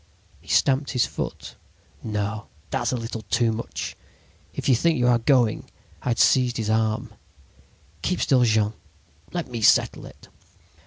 "He stamped his foot. "'No, that's a little too much! If you think you are going—' "I had seized his arm. "'Keep still, Jean. .. Let me settle it.'